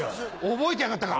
覚えてやがったか。